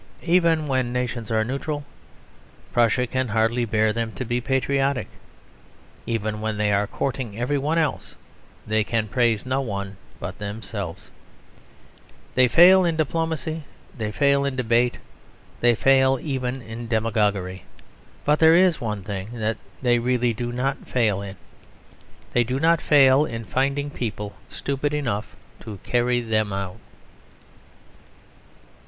Even when nations are neutral, Prussia can hardly bear them to be patriotic. Even when they are courting every one else they can praise no one but themselves. They fail in diplomacy, they fail in debate, they fail even in demagogy. They have stupid plots, stupid explanations, and even stupid apologies. But there is one thing they really do not fail in. They do not fail in finding people stupid enough to carry them out.